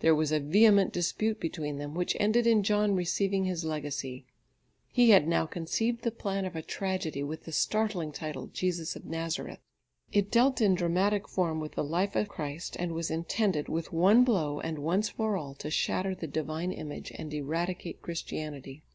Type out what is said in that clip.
There was a vehement dispute between them which ended in John receiving his legacy. He had now conceived the plan of a tragedy with the startling title "Jesus of Nazareth." It dealt in dramatic form with the life of Christ, and was intended, with one blow and once for all, to shatter the divine image and eradicate Christianity.